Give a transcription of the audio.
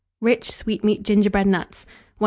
RICH SWEETMEAT GINGERBREAD NUTS. 1759.